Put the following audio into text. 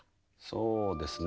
そうですね。